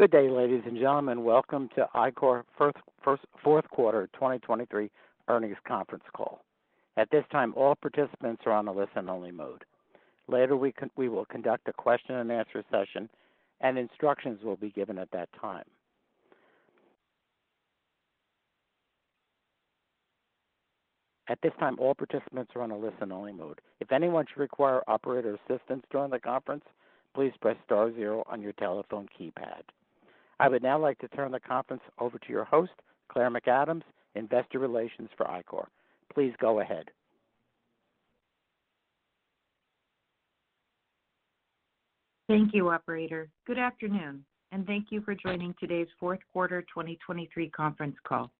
Good day, ladies and gentlemen. Welcome to Ichor fourth quarter 2023 earnings conference call. At this time, all participants are on a listen-only mode. Later, we will conduct a question-and-answer session, and instructions will be given at that time. At this time, all participants are on a listen-only mode. If anyone should require operator assistance during the conference, please press star zero on your telephone keypad. I would now like to turn the conference over to your host, Claire McAdams, Investor Relations for Ichor. Please go ahead. Thank you, operator. Good afternoon, and thank you for joining today's fourth quarter 2023 conference call.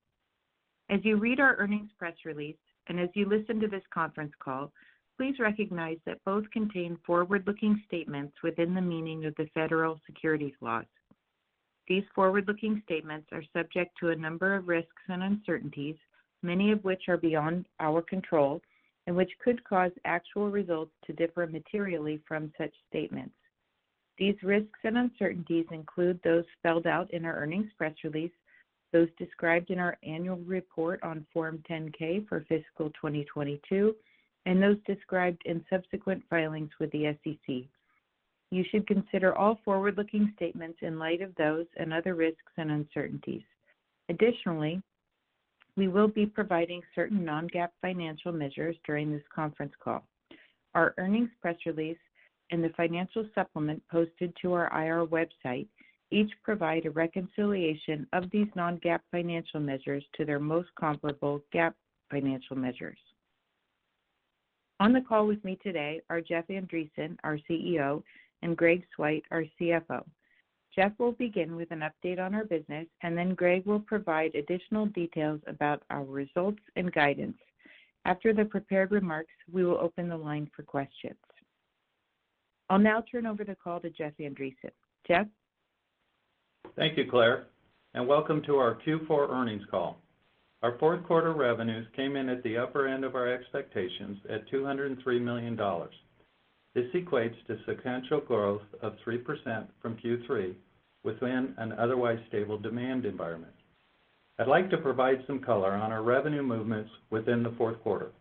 As you read our earnings press release, and as you listen to this conference call, please recognize that both contain forward-looking statements within the meaning of the federal securities laws. These forward-looking statements are subject to a number of risks and uncertainties, many of which are beyond our control, and which could cause actual results to differ materially from such statements. These risks and uncertainties include those spelled out in our earnings press release, those described in our annual report on Form 10-K for fiscal 2022, and those described in subsequent filings with the SEC. You should consider all forward-looking statements in light of those and other risks and uncertainties. Additionally, we will be providing certain non-GAAP financial measures during this conference call. Our earnings press release and the financial supplement posted to our IR website each provide a reconciliation of these non-GAAP financial measures to their most comparable GAAP financial measures. On the call with me today are Jeff Andreson, our CEO, and Greg Swyt, our CFO. Jeff will begin with an update on our business, and then Greg will provide additional details about our results and guidance. After the prepared remarks, we will open the line for questions. I'll now turn over the call to Jeff Andreson. Jeff? Thank you, Claire, and welcome to our Q4 earnings call. Our fourth quarter revenues came in at the upper end of our expectations, at $203 million. This equates to sequential growth of 3% from Q3, within an otherwise stable demand environment. I'd like to provide some color on our revenue movements within the fourth quarter.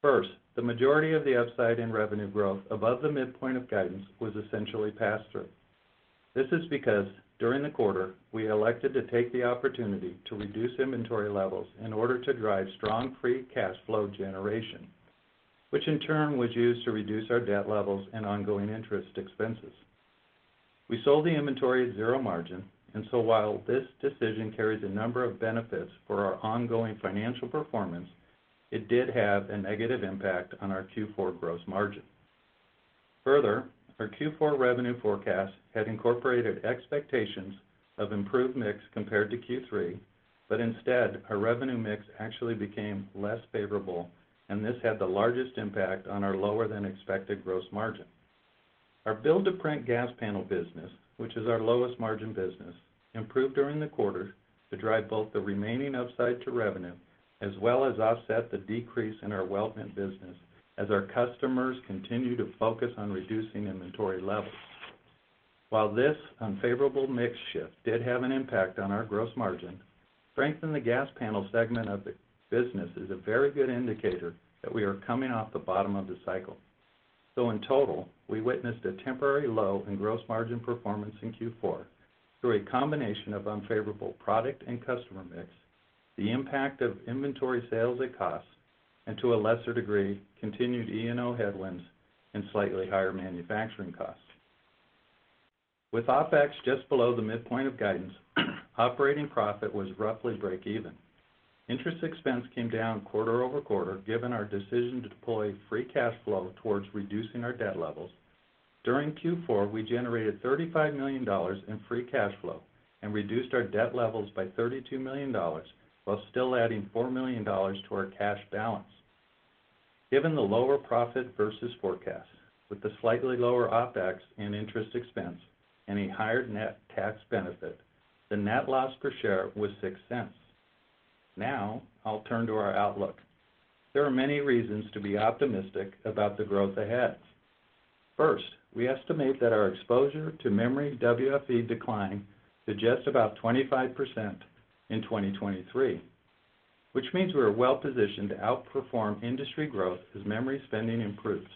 First, the majority of the upside in revenue growth above the midpoint of guidance was essentially pass-through. This is because during the quarter, we elected to take the opportunity to reduce inventory levels in order to drive strong free cash flow generation, which in turn was used to reduce our debt levels and ongoing interest expenses. We sold the inventory at zero margin, and so while this decision carries a number of benefits for our ongoing financial performance, it did have a negative impact on our Q4 gross margin. Further, our Q4 revenue forecast had incorporated expectations of improved mix compared to Q3, but instead, our revenue mix actually became less favorable, and this had the largest impact on our lower-than-expected gross margin. Our build-to-print gas panel business, which is our lowest margin business, improved during the quarter to drive both the remaining upside to revenue as well as offset the decrease in our weldment business as our customers continue to focus on reducing inventory levels. While this unfavorable mix shift did have an impact on our gross margin, strength in the gas panel segment of the business is a very good indicator that we are coming off the bottom of the cycle. So in total, we witnessed a temporary low in gross margin performance in Q4 through a combination of unfavorable product and customer mix, the impact of inventory sales at cost, and to a lesser degree, continued E&O headwinds and slightly higher manufacturing costs. With OpEx just below the midpoint of guidance, operating profit was roughly break even. Interest expense came down quarter-over-quarter, given our decision to deploy free cash flow towards reducing our debt levels. During Q4, we generated $35 million in free cash flow and reduced our debt levels by $32 million, while still adding $4 million to our cash balance. Given the lower profit versus forecast, with the slightly lower OpEx and interest expense, and a higher net tax benefit, the net loss per share was $0.06. Now I'll turn to our outlook. There are many reasons to be optimistic about the growth ahead. First, we estimate that our exposure to memory WFE decline to just about 25% in 2023, which means we are well positioned to outperform industry growth as memory spending improves,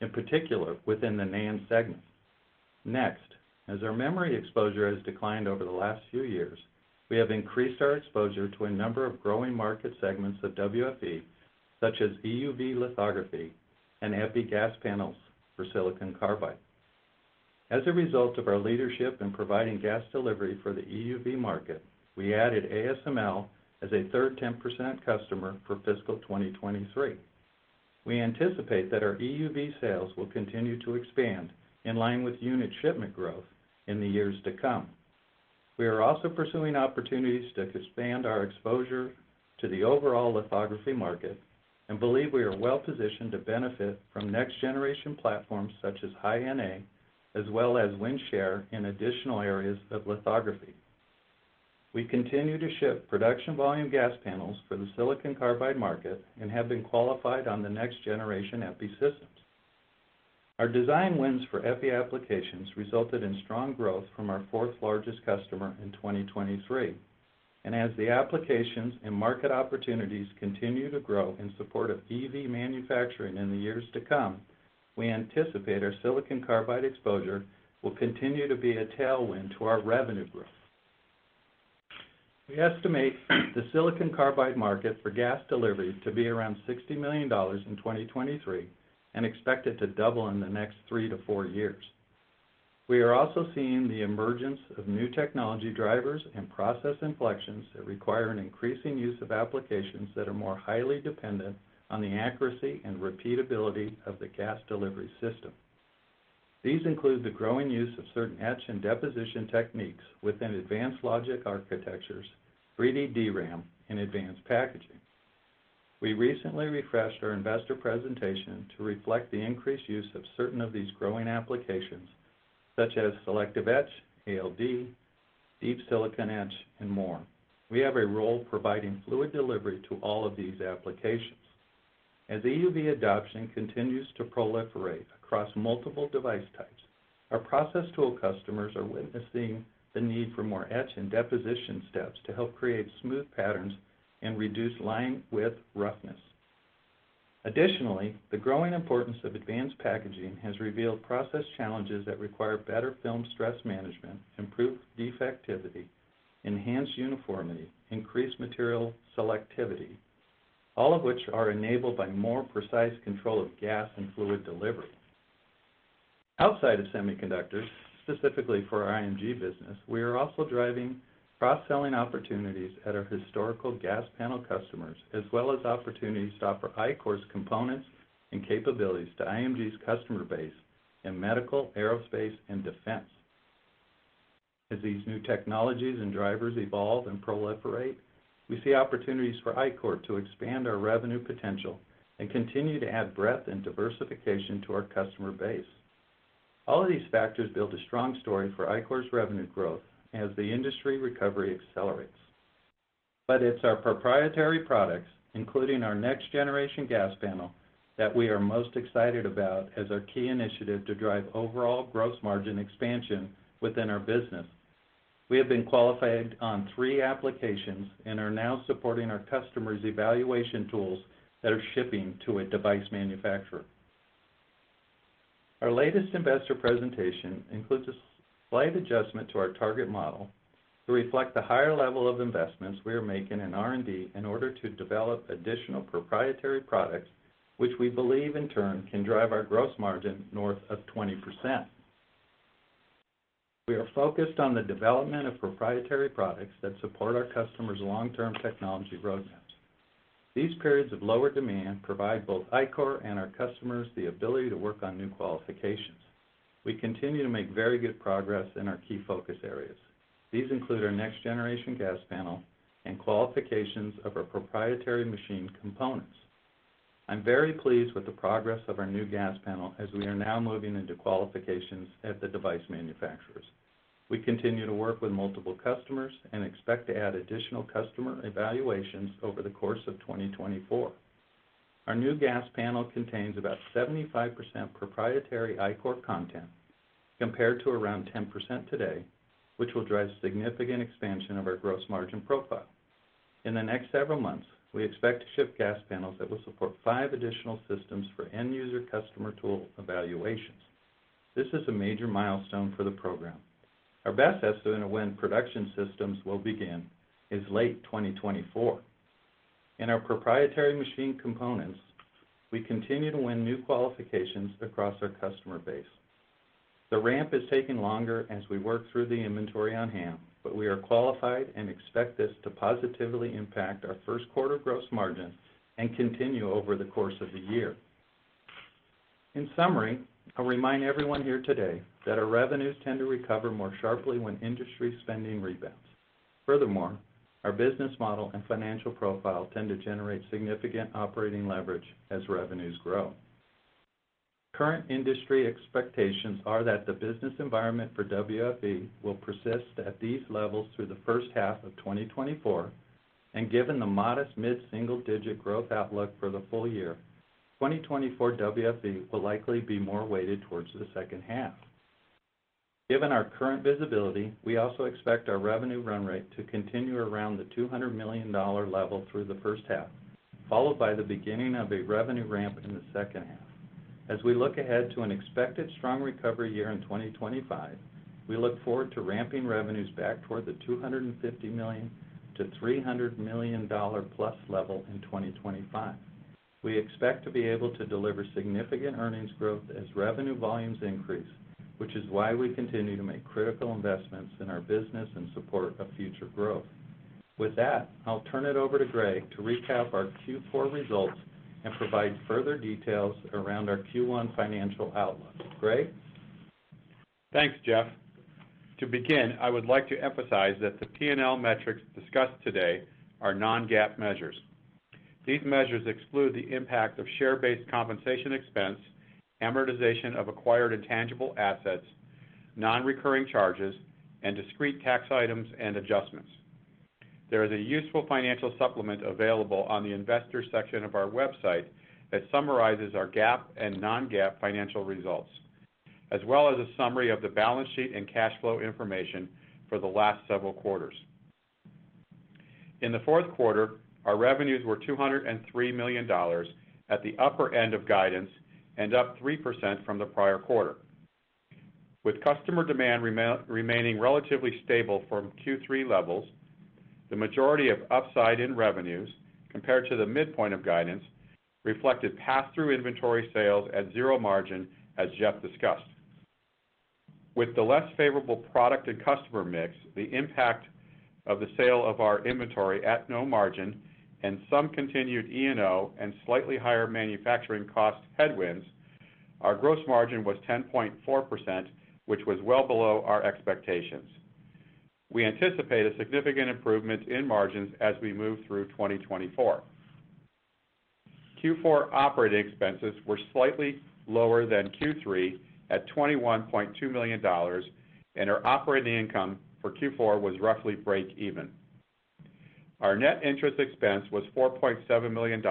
in particular, within the NAND segment. Next, as our memory exposure has declined over the last few years, we have increased our exposure to a number of growing market segments of WFE, such as EUV lithography and epi gas panels for silicon carbide. As a result of our leadership in providing gas delivery for the EUV market, we added ASML as a third 10% customer for fiscal 2023. We anticipate that our EUV sales will continue to expand in line with unit shipment growth in the years to come. We are also pursuing opportunities to expand our exposure to the overall lithography market and believe we are well positioned to benefit from next-generation platforms such as High-NA, as well as win share in additional areas of lithography.... We continue to ship production volume gas panels for the silicon carbide market and have been qualified on the next-generation EPI systems. Our design wins for EPI applications resulted in strong growth from our fourth largest customer in 2023, and as the applications and market opportunities continue to grow in support of EV manufacturing in the years to come, we anticipate our silicon carbide exposure will continue to be a tailwind to our revenue growth. We estimate the silicon carbide market for gas delivery to be around $60 million in 2023, and expect it to double in the next 3-4 years. We are also seeing the emergence of new technology drivers and process inflections, that require an increasing use of applications that are more highly dependent on the accuracy and repeatability of the gas delivery system. These include the growing use of certain etch and deposition techniques within advanced logic architectures, 3D DRAM, and advanced packaging. We recently refreshed our investor presentation to reflect the increased use of certain of these growing applications, such as Selective Etch, ALD, Deep Silicon Etch, and more. We have a role providing fluid delivery to all of these applications. As EUV adoption continues to proliferate across multiple device types, our process tool customers are witnessing the need for more etch and deposition steps, to help create smooth patterns and reduce line width roughness. Additionally, the growing importance of advanced packaging has revealed process challenges that require better film stress management, improved defectivity, enhanced uniformity, increased material selectivity, all of which are enabled by more precise control of gas and fluid delivery. Outside of semiconductors, specifically for our IMG business, we are also driving cross-selling opportunities at our historical gas panel customers, as well as opportunities to offer Ichor's components and capabilities to IMG's customer base in medical, aerospace, and defense. As these new technologies and drivers evolve and proliferate, we see opportunities for Ichor to expand our revenue potential and continue to add breadth and diversification to our customer base. All of these factors build a strong story for Ichor's revenue growth as the industry recovery accelerates. But it's our proprietary products, including our next-generation gas panel, that we are most excited about as our key initiative to drive overall gross margin expansion within our business. We have been qualified on three applications and are now supporting our customers' evaluation tools that are shipping to a device manufacturer. Our latest investor presentation includes a slight adjustment to our target model, to reflect the higher level of investments we are making in R&D in order to develop additional proprietary products, which we believe, in turn, can drive our gross margin north of 20%. We are focused on the development of proprietary products that support our customers' long-term technology roadmaps. These periods of lower demand provide both Ichor and our customers the ability to work on new qualifications. We continue to make very good progress in our key focus areas. These include our next-generation gas panel and qualifications of our proprietary machine components. I'm very pleased with the progress of our new gas panel, as we are now moving into qualifications at the device manufacturers. We continue to work with multiple customers and expect to add additional customer evaluations over the course of 2024. Our new gas panel contains about 75% proprietary Ichor content, compared to around 10% today, which will drive significant expansion of our gross margin profile. In the next several months, we expect to ship gas panels that will support 5 additional systems for end user customer tool evaluations. This is a major milestone for the program. Our best estimate of when production systems will begin is late 2024. In our proprietary machine components, we continue to win new qualifications across our customer base. The ramp is taking longer as we work through the inventory on hand, but we are qualified and expect this to positively impact our first quarter gross margin and continue over the course of the year. In summary, I'll remind everyone here today that our revenues tend to recover more sharply when industry spending rebounds. Furthermore, our business model and financial profile tend to generate significant operating leverage as revenues grow. Current industry expectations are that the business environment for WFE will persist at these levels through the first half of 2024, and given the modest mid-single digit growth outlook for the full year, 2024 WFE will likely be more weighted towards the second half. Given our current visibility, we also expect our revenue run rate to continue around the $200 million level through the first half, followed by the beginning of a revenue ramp in the second half. As we look ahead to an expected strong recovery year in 2025, we look forward to ramping revenues back toward the $250 million-$300 million+ level in 2025. We expect to be able to deliver significant earnings growth as revenue volumes increase, which is why we continue to make critical investments in our business in support of future growth. With that, I'll turn it over to Greg to recap our Q4 results and provide further details around our Q1 financial outlook. Greg? Thanks, Jeff. To begin, I would like to emphasize that the P&L metrics discussed today are non-GAAP measures. These measures exclude the impact of share-based compensation expense, amortization of acquired intangible assets, non-recurring charges, and discrete tax items and adjustments. There is a useful financial supplement available on the investor section of our website that summarizes our GAAP and non-GAAP financial results, as well as a summary of the balance sheet and cash flow information for the last several quarters. In the fourth quarter, our revenues were $203 million at the upper end of guidance and up 3% from the prior quarter. With customer demand remaining relatively stable from Q3 levels, the majority of upside in revenues compared to the midpoint of guidance reflected pass-through inventory sales at zero margin, as Jeff discussed. With the less favorable product and customer mix, the impact of the sale of our inventory at no margin and some continued E&O and slightly higher manufacturing cost headwinds, our gross margin was 10.4%, which was well below our expectations. We anticipate a significant improvement in margins as we move through 2024. Q4 operating expenses were slightly lower than Q3 at $21.2 million, and our operating income for Q4 was roughly breakeven. Our net interest expense was $4.7 million,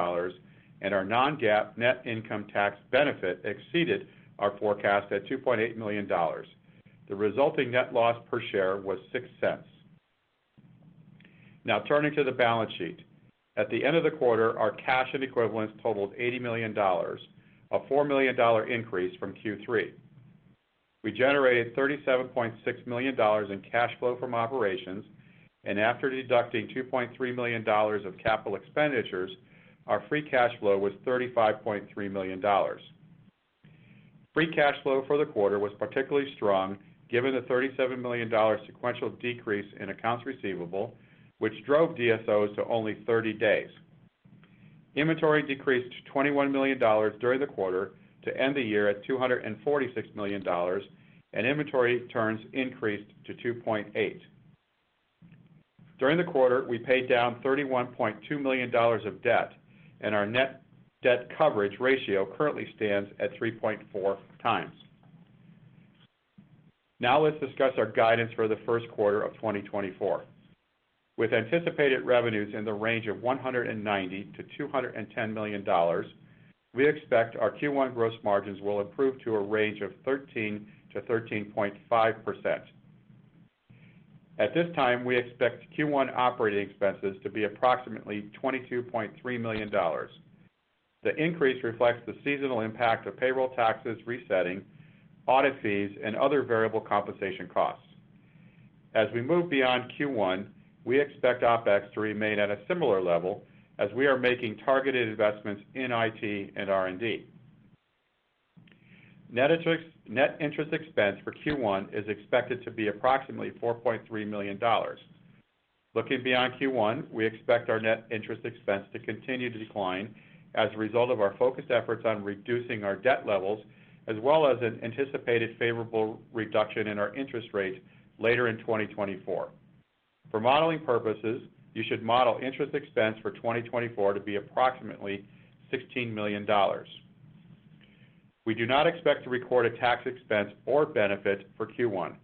and our non-GAAP net income tax benefit exceeded our forecast at $2.8 million. The resulting net loss per share was $0.06. Now, turning to the balance sheet. At the end of the quarter, our cash and equivalents totaled $80 million, a $4 million increase from Q3. We generated $37.6 million in cash flow from operations, and after deducting $2.3 million of capital expenditures, our free cash flow was $35.3 million. Free cash flow for the quarter was particularly strong, given the $37 million sequential decrease in accounts receivable, which drove DSOs to only 30 days. Inventory decreased $21 million during the quarter to end the year at $246 million, and inventory turns increased to 2.8. During the quarter, we paid down $31.2 million of debt, and our net debt coverage ratio currently stands at 3.4 times. Now, let's discuss our guidance for the first quarter of 2024. With anticipated revenues in the range of $190 million-$210 million, we expect our Q1 gross margins will improve to a range of 13%-13.5%. At this time, we expect Q1 operating expenses to be approximately $22.3 million. The increase reflects the seasonal impact of payroll taxes resetting, audit fees, and other variable compensation costs. As we move beyond Q1, we expect OpEx to remain at a similar level as we are making targeted investments in IT and R&D. Net interest expense for Q1 is expected to be approximately $4.3 million. Looking beyond Q1, we expect our net interest expense to continue to decline as a result of our focused efforts on reducing our debt levels, as well as an anticipated favorable reduction in our interest rate later in 2024. For modeling purposes, you should model interest expense for 2024 to be approximately $16 million. We do not expect to record a tax expense or benefit for Q1.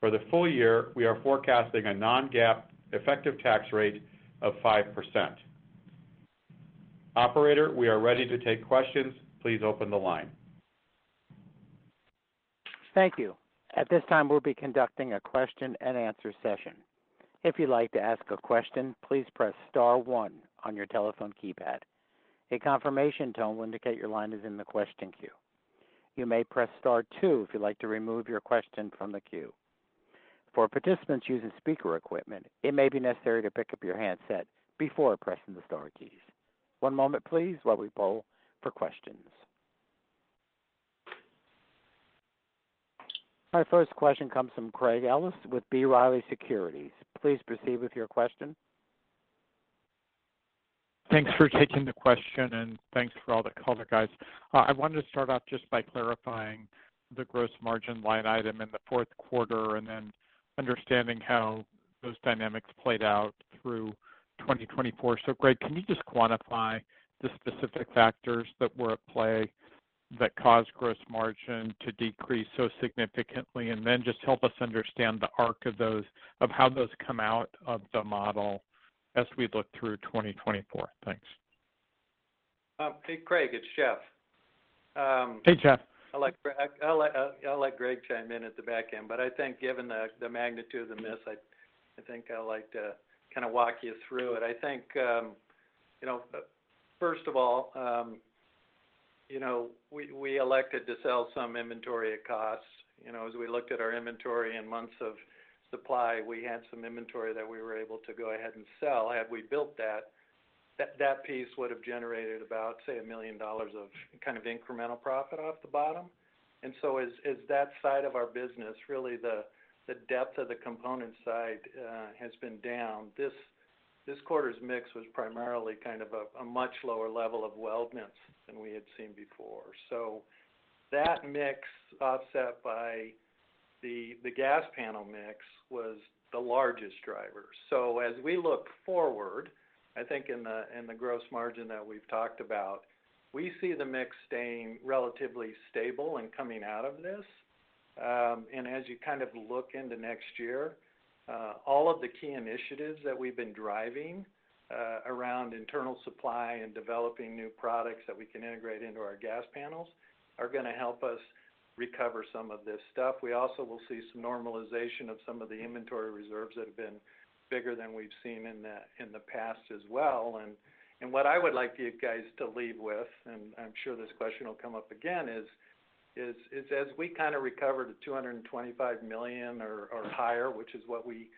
For the full year, we are forecasting a non-GAAP effective tax rate of 5%. Operator, we are ready to take questions. Please open the line. Thank you. At this time, we'll be conducting a question and answer session. If you'd like to ask a question, please press star one on your telephone keypad. A confirmation tone will indicate your line is in the question queue. You may press star two if you'd like to remove your question from the queue. For participants using speaker equipment, it may be necessary to pick up your handset before pressing the star keys. One moment, please, while we poll for questions. Our first question comes from Craig Ellis with B. Riley Securities. Please proceed with your question. Thanks for taking the question and thanks for all the color, guys. I wanted to start off just by clarifying the gross margin line item in the fourth quarter and then understanding how those dynamics played out through 2024. So Greg, can you just quantify the specific factors that were at play that caused gross margin to decrease so significantly? And then just help us understand the arc of those, of how those come out of the model as we look through 2024. Thanks. Hey, Craig, it's Jeff. Hey, Jeff. I'll let Greg chime in at the back end, but I think given the magnitude of the miss, I think I'd like to kind of walk you through it. I think, you know, first of all, you know, we elected to sell some inventory at cost. You know, as we looked at our inventory in months of supply, we had some inventory that we were able to go ahead and sell. Had we built that piece would have generated about, say, $1 million of kind of incremental profit off the bottom. And so as that side of our business, really the depth of the component side, has been down, this quarter's mix was primarily kind of a much lower level of weldments than we had seen before. So that mix, offset by ... the gas panel mix was the largest driver. So as we look forward, I think in the gross margin that we've talked about, we see the mix staying relatively stable and coming out of this. And as you kind of look into next year, all of the key initiatives that we've been driving around internal supply and developing new products that we can integrate into our gas panels are gonna help us recover some of this stuff. We also will see some normalization of some of the inventory reserves that have been bigger than we've seen in the past as well. What I would like you guys to leave with, and I'm sure this question will come up again, is as we kind of recover the $225 million or higher, which is what we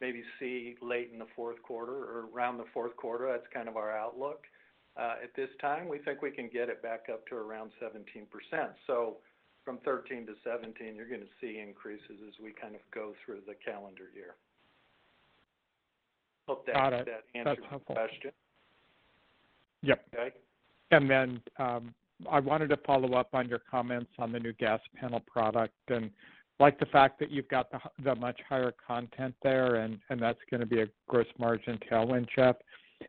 maybe see late in the fourth quarter or around the fourth quarter, that's kind of our outlook. At this time, we think we can get it back up to around 17%. So from 13%-17%, you're gonna see increases as we kind of go through the calendar year. Hope that- Got it. - answered your question. That's helpful. Yep. Okay. And then, I wanted to follow up on your comments on the new gas panel product, and like the fact that you've got the much higher content there, and that's gonna be a gross margin tailwind, Jeff.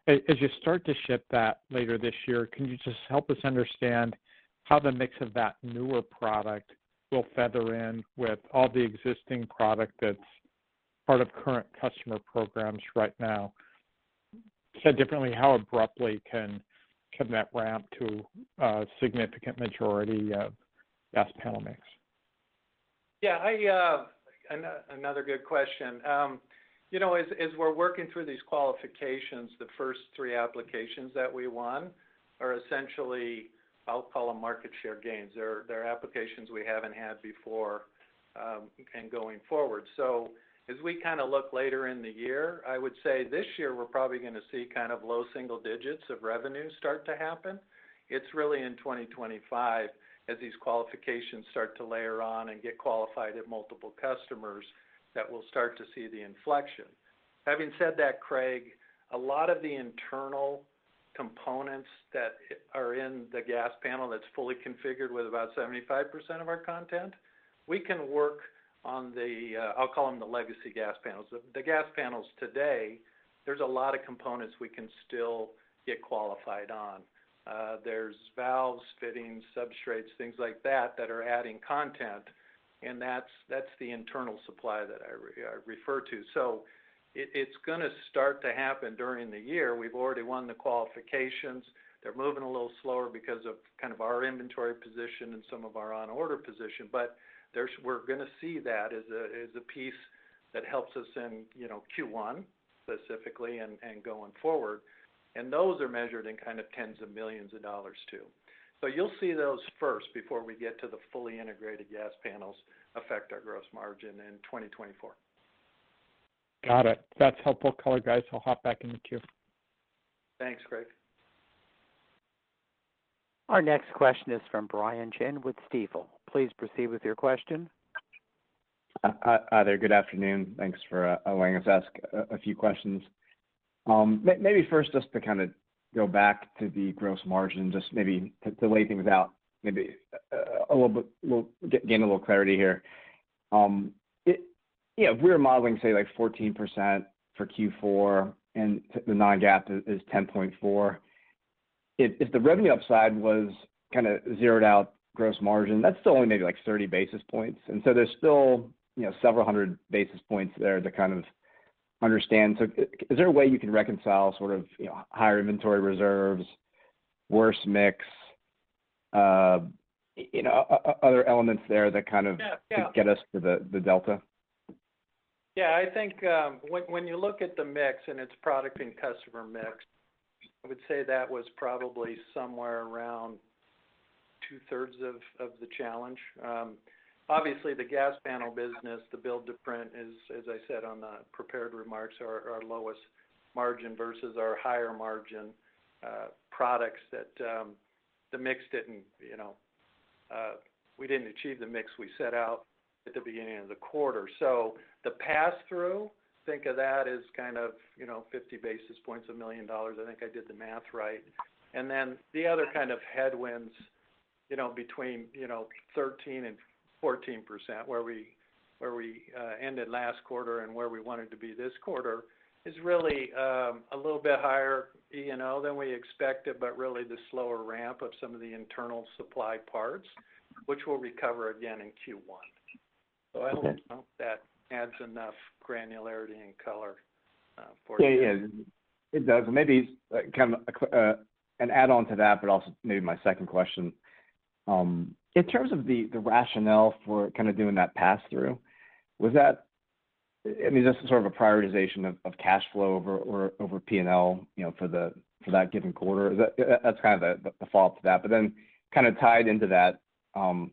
As you start to ship that later this year, can you just help us understand how the mix of that newer product will feather in with all the existing product that's part of current customer programs right now? Said differently, how abruptly can that ramp to a significant majority of gas panel mix? Yeah, another good question. You know, as we're working through these qualifications, the first three applications that we won are essentially, I'll call them market share gains. They're applications we haven't had before, and going forward. So as we kind of look later in the year, I would say this year, we're probably gonna see kind of low single digits of revenue start to happen. It's really in 2025, as these qualifications start to layer on and get qualified at multiple customers, that we'll start to see the inflection. Having said that, Craig, a lot of the internal components that are in the gas panel that's fully configured with about 75% of our content, we can work on the, I'll call them the legacy gas panels. The gas panels today, there's a lot of components we can still get qualified on. There's valves, fittings, substrates, things like that, that are adding content, and that's the internal supply that I refer to. So it's gonna start to happen during the year. We've already won the qualifications. They're moving a little slower because of kind of our inventory position and some of our on-order position, but we're gonna see that as a piece that helps us in, you know, Q1, specifically, and going forward, and those are measured in kind of $10s of millions, too. So you'll see those first before we get to the fully integrated gas panels affect our gross margin in 2024. Got it. That's helpful color, guys. I'll hop back in the queue. Thanks, Craig. Our next question is from Brian Chin with Stifel. Please proceed with your question. Hi there. Good afternoon. Thanks for allowing us to ask a few questions. Maybe first, just to kind of go back to the gross margin, just maybe to lay things out, maybe a little bit, we'll gain a little clarity here. Yeah, we're modeling, say, like 14% for Q4, and the non-GAAP is 10.4. If the revenue upside was kind of zeroed out gross margin, that's still only maybe like 30 basis points, and so there's still, you know, several hundred basis points there to kind of understand. So is there a way you can reconcile sort of, you know, higher inventory reserves, worse mix, you know, other elements there that kind of- Yeah, yeah. - get us to the delta? Yeah, I think, when, when you look at the mix, and it's product and customer mix, I would say that was probably somewhere around two-thirds of, of the challenge. Obviously, the gas panel business, the build to print is, as I said, on the prepared remarks, are our lowest margin versus our higher margin, products that, the mix didn't, you know, we didn't achieve the mix we set out at the beginning of the quarter. So the pass-through, think of that as kind of, you know, 50 basis points, $1 million. I think I did the math right. Then the other kind of headwinds, you know, between, you know, 13% and 14%, where we ended last quarter and where we wanted to be this quarter, is really a little bit higher, you know, than we expected, but really the slower ramp of some of the internal supply parts, which we'll recover again in Q1. Okay. I hope that adds enough granularity and color for you. Yeah, yeah, it does. Maybe, kind of, an add-on to that, but also maybe my second question. In terms of the rationale for kind of doing that pass-through, was that... I mean, just sort of a prioritization of cash flow over, or, over P&L, you know, for that given quarter? Is that-- that's kind of the follow-up to that. But then kind of tied into that, when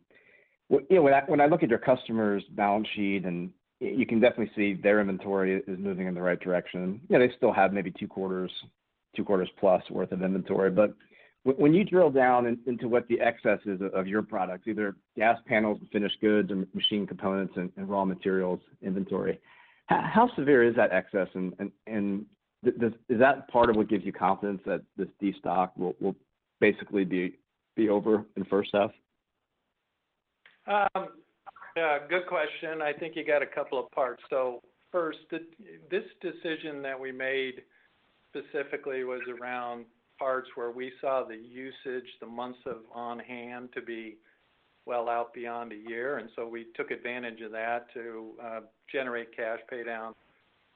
you know, when I look at your customers' balance sheet, and you can definitely see their inventory is moving in the right direction. Yeah, they still have maybe two quarters, two quarters plus worth of inventory. But when you drill down into what the excess is of your products, either gas panels and finished goods and raw materials inventory, how severe is that excess? And is that part of what gives you confidence that this destock will basically be-... be over in first half? Yeah, good question. I think you got a couple of parts. So first, the, this decision that we made specifically was around parts where we saw the usage, the months of on-hand, to be well out beyond a year. And so we took advantage of that to generate cash, pay down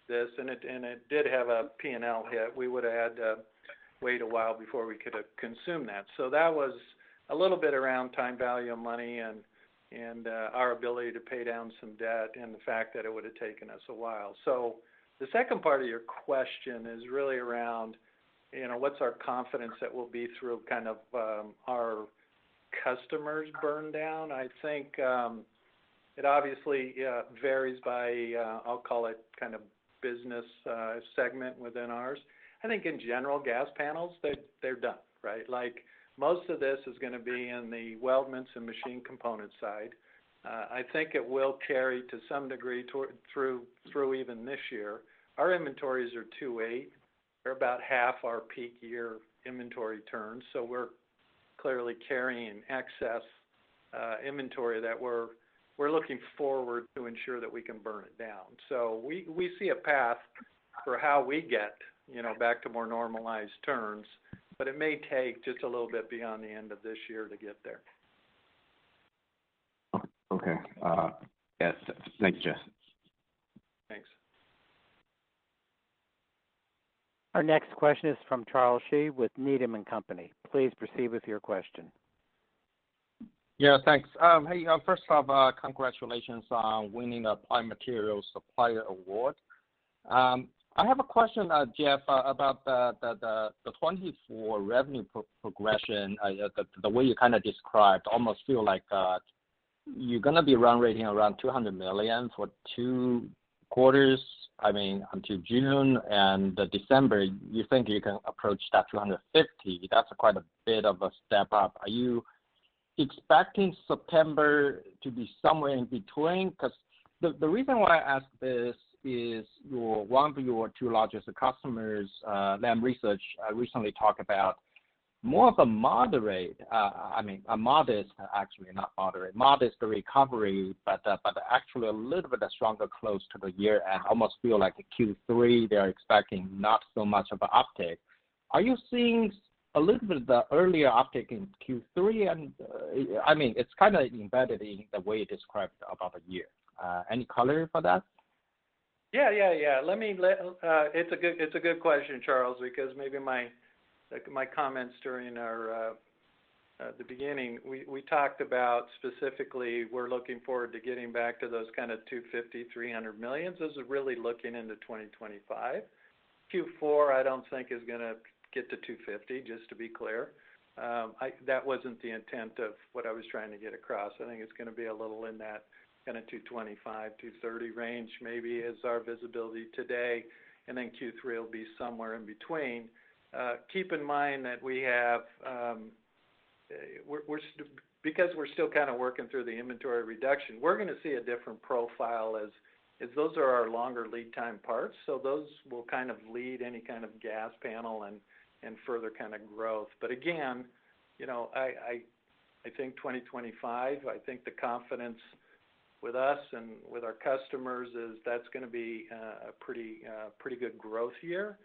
this, and it, and it did have a P&L hit. We would've had to wait a while before we could have consumed that. So that was a little bit around time value of money and, and our ability to pay down some debt, and the fact that it would have taken us a while. So the second part of your question is really around, you know, what's our confidence that we'll be through kind of our customers burn down? I think, it obviously, yeah, varies by, I'll call it kind of business segment within ours. I think in general, gas panels, they're done, right? Like, most of this is gonna be in the weldments and machine component side. I think it will carry to some degree toward through even this year. Our inventories are 2.8. They're about half our peak year inventory turns, so we're clearly carrying excess inventory that we're looking forward to ensure that we can burn it down. So we see a path for how we get, you know, back to more normalized turns, but it may take just a little bit beyond the end of this year to get there. Okay, yes. Thank you, Jeff. Thanks. Our next question is from Charles Shi with Needham & Company. Please proceed with your question. Yeah, thanks. Hey, first off, congratulations on winning Applied Materials Supplier Award. I have a question, Jeff, about the 2024 revenue progression. The way you kind of described, almost feel like you're gonna be around, running around $200 million for two quarters, I mean, until June and December, you think you can approach that $250 million. That's quite a bit of a step up. Are you expecting September to be somewhere in between? Because the reason why I ask this is one of your two largest customers, Lam Research, recently talked about more of a moderate, I mean, a modest actually, not moderate, modest recovery, but actually a little bit stronger close to the year and almost feel like Q3, they're expecting not so much of an uptick. Are you seeing a little bit of the earlier uptick in Q3? And, I mean, it's kind of embedded in the way you described about the year. Any color for that? Yeah, yeah, yeah. Let me, it's a good, it's a good question, Charles, because maybe my, like, my comments during our, at the beginning, we, we talked about specifically, we're looking forward to getting back to those kind of $250 million, $300 million. Those are really looking into 2025. Q4, I don't think is gonna get to $250 million, just to be clear. I, that wasn't the intent of what I was trying to get across. I think it's gonna be a little in that kind of $225-$230 million range, maybe is our visibility today, and then Q3 will be somewhere in between. Keep in mind that we have, we're--because we're still kind of working through the inventory reduction, we're gonna see a different profile as those are our longer lead time parts, so those will kind of lead any kind of gas panel and further kind of growth. But again, you know, I think 2025, I think the confidence with us and with our customers is that's gonna be a pretty good growth year.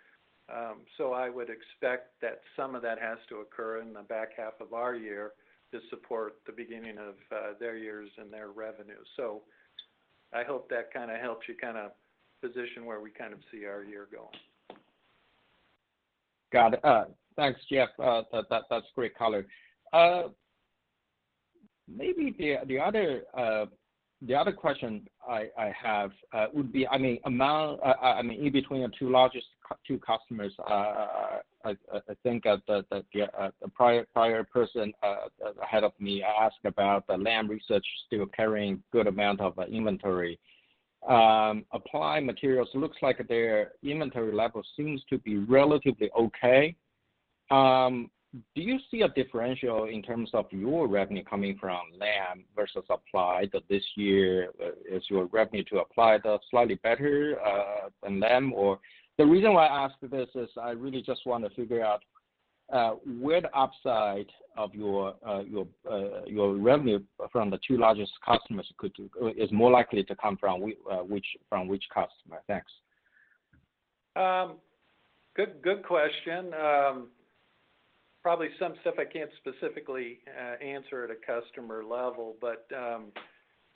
So I would expect that some of that has to occur in the back half of our year to support the beginning of their years and their revenues. So I hope that kind of helps you kind of position where we kind of see our year going. Got it. Thanks, Jeff. That, that's great color. Maybe the other question I have would be, I mean, in between the two largest two customers, I think of the prior person ahead of me asked about the Lam Research still carrying good amount of inventory. Applied Materials looks like their inventory level seems to be relatively okay. Do you see a differential in terms of your revenue coming from Lam versus Applied, that this year is your revenue to Applied slightly better than Lam or? The reason why I ask this is I really just want to figure out where the upside of your revenue from the two largest customers could is more likely to come from which customer? Thanks. Good, good question. Probably some stuff I can't specifically answer at a customer level, but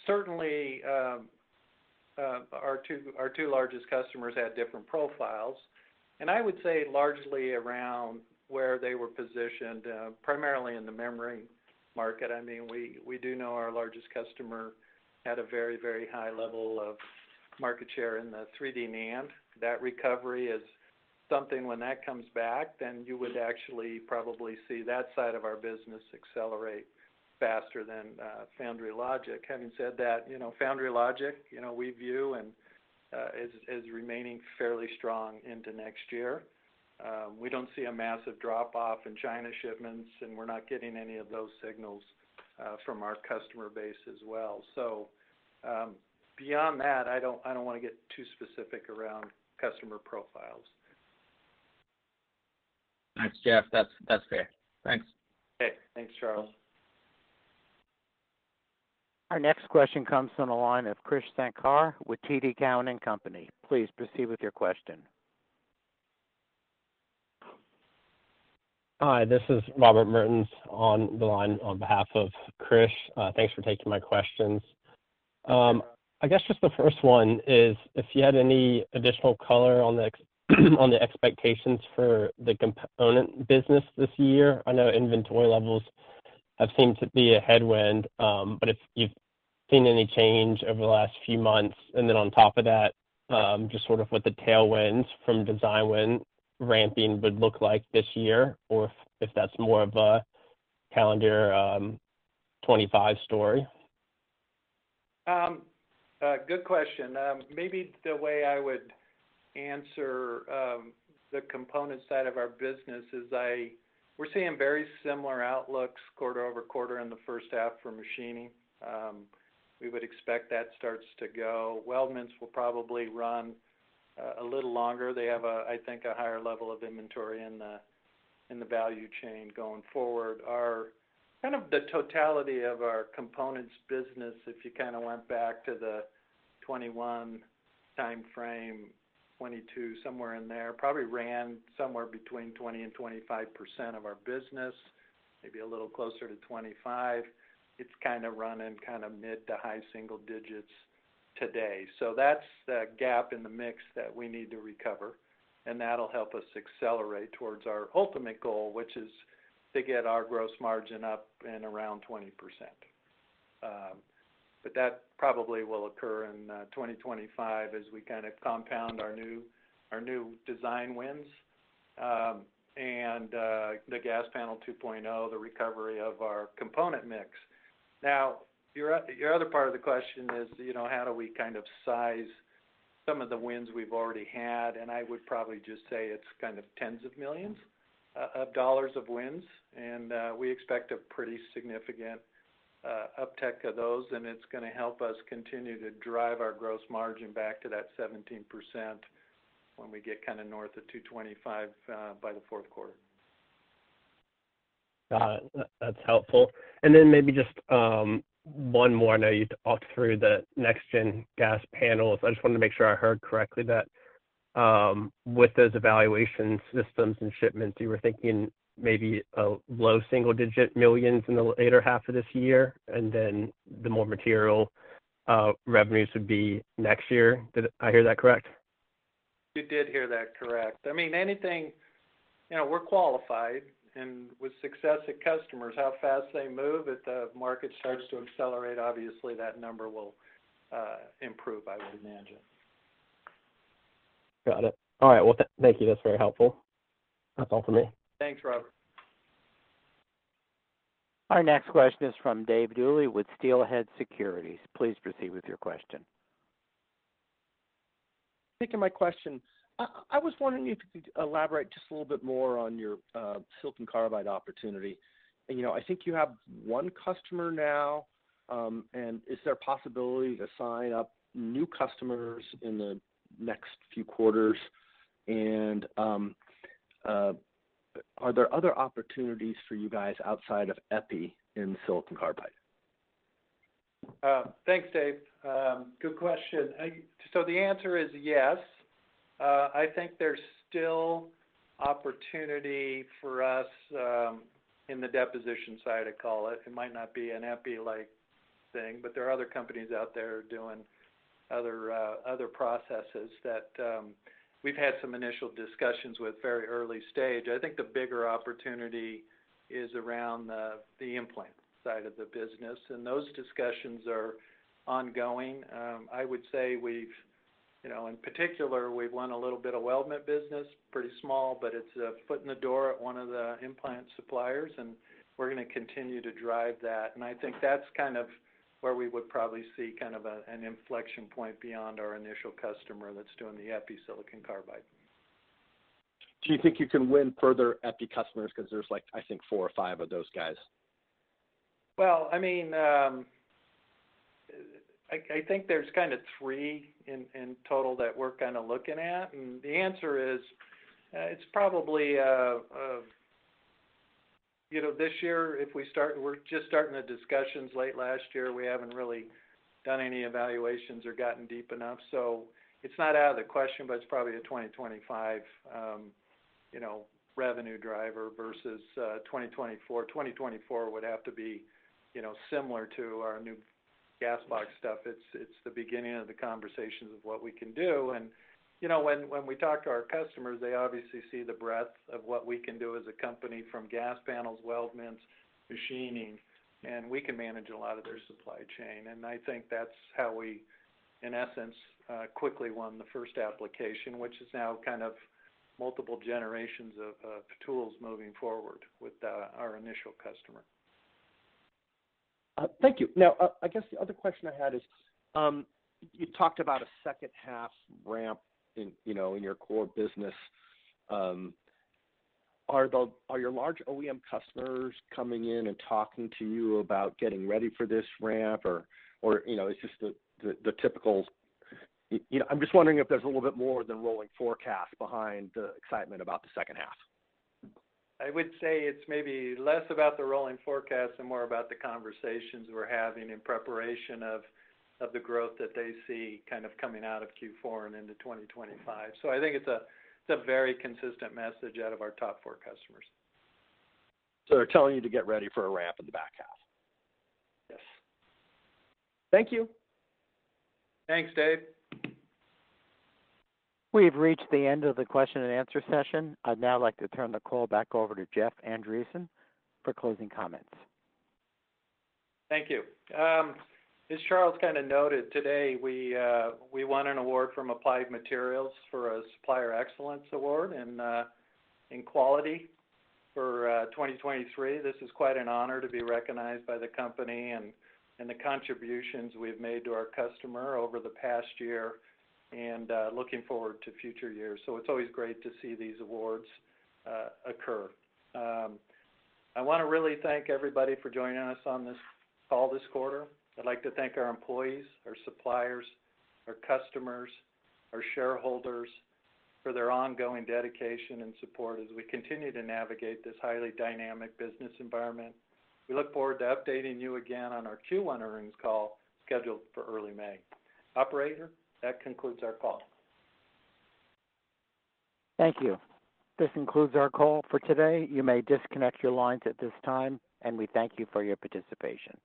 certainly our two, our two largest customers have different profiles, and I would say largely around where they were positioned primarily in the memory market. I mean, we do know our largest customer had a very, very high level of market share in the 3D NAND. That recovery is something when that comes back, then you would actually probably see that side of our business accelerate faster than Foundry Logic. Having said that, you know, Foundry Logic, you know, we view and is remaining fairly strong into next year. We don't see a massive drop-off in China shipments, and we're not getting any of those signals from our customer base as well. So, beyond that, I don't want to get too specific around customer profiles. ... Thanks, Jeff. That's, that's fair. Thanks. Okay, thanks, Charles. Our next question comes from the line of Krish Sankar with TD Cowen and Company. Please proceed with your question. Hi, this is Robert Mertens on the line on behalf of Krish. Thanks for taking my questions. I guess just the first one is, if you had any additional color on the expectations for the component business this year. I know inventory levels have seemed to be a headwind, but if you've seen any change over the last few months, and then on top of that, just sort of what the tailwinds from design win ramping would look like this year, or if that's more of a calendar 25 story? Good question. Maybe the way I would answer, the component side of our business is we're seeing very similar outlooks quarter over quarter in the first half for machining. We would expect that starts to go. Weldments will probably run a little longer. They have a, I think, a higher level of inventory in the, in the value chain going forward. Our kind of the totality of our components business, if you kind of went back to the 2021 timeframe, 2022, somewhere in there, probably ran somewhere between 20 and 25% of our business, maybe a little closer to 25. It's kind of running kind of mid to high single digits today. So that's the gap in the mix that we need to recover, and that'll help us accelerate towards our ultimate goal, which is to get our gross margin up and around 20%. But that probably will occur in 2025 as we kind of compound our new, our new design wins, and the gas panel 2.0, the recovery of our component mix. Now, your other part of the question is, you know, how do we kind of size some of the wins we've already had? And I would probably just say it's kind of tens of millions of dollars of wins, and we expect a pretty significant uptick of those, and it's gonna help us continue to drive our gross margin back to that 17% when we get kind of north of $225 by the fourth quarter. Got it. That's helpful. And then maybe just one more. I know you talked through the next gen gas panels. I just wanted to make sure I heard correctly that with those evaluation systems and shipments, you were thinking maybe $ low single-digit millions in the latter half of this year, and then the more material revenues would be next year. Did I hear that correct? You did hear that correct. I mean, anything... You know, we're qualified, and with success at customers, how fast they move, if the market starts to accelerate, obviously that number will improve, I would imagine. Got it. All right. Well, thank you. That's very helpful. That's all for me. Thanks, Robert. Our next question is from Dave Duley with Steelhead Securities. Please proceed with your question. Thank you. My question, I was wondering if you could elaborate just a little bit more on your silicon carbide opportunity. And, you know, I think you have one customer now. And is there a possibility to sign up new customers in the next few quarters? And, are there other opportunities for you guys outside of Epi in silicon carbide? Thanks, Dave. Good question. So the answer is yes. I think there's still opportunity for us in the deposition side, I call it. It might not be an Epi-like thing, but there are other companies out there doing other processes that we've had some initial discussions with very early stage. I think the bigger opportunity is around the implant side of the business, and those discussions are ongoing. I would say we've, you know, in particular, we've won a little bit of weldment business, pretty small, but it's a foot in the door at one of the implant suppliers, and we're gonna continue to drive that. And I think that's kind of where we would probably see kind of an inflection point beyond our initial customer that's doing the Epi silicon carbide. Do you think you can win further Epi customers? Because there's like, I think, four or five of those guys. Well, I mean, I think there's kind of three in total that we're kind of looking at. And the answer is, it's probably, you know, this year, if we start... We're just starting the discussions late last year. We haven't really done any evaluations or gotten deep enough, so it's not out of the question, but it's probably a 2025, you know, revenue driver versus, 2024. 2024 would have to be, you know, similar to our new gas box stuff. It's the beginning of the conversations of what we can do. And, you know, when we talk to our customers, they obviously see the breadth of what we can do as a company from gas panels, weldments, machining, and we can manage a lot of their supply chain. I think that's how we, in essence, quickly won the first application, which is now kind of multiple generations of tools moving forward with our initial customer. Thank you. Now, I guess the other question I had is, you talked about a second half ramp in, you know, in your core business. Are your large OEM customers coming in and talking to you about getting ready for this ramp? Or, you know, it's just the typical... You know, I'm just wondering if there's a little bit more than rolling forecast behind the excitement about the second half. I would say it's maybe less about the rolling forecast and more about the conversations we're having in preparation of the growth that they see kind of coming out of Q4 and into 2025. So I think it's a very consistent message out of our top four customers. They're telling you to get ready for a ramp in the back half? Yes. Thank you. Thanks, Dave. We've reached the end of the question and answer session. I'd now like to turn the call back over to Jeff Andreson for closing comments. Thank you. As Charles kind of noted, today, we won an award from Applied Materials for a Supplier Excellence Award in quality for 2023. This is quite an honor to be recognized by the company and the contributions we've made to our customer over the past year, and looking forward to future years. So it's always great to see these awards occur. I want to really thank everybody for joining us on this call this quarter. I'd like to thank our employees, our suppliers, our customers, our shareholders, for their ongoing dedication and support as we continue to navigate this highly dynamic business environment. We look forward to updating you again on our Q1 earnings call, scheduled for early May. Operator, that concludes our call. Thank you. This concludes our call for today. You may disconnect your lines at this time, and we thank you for your participation.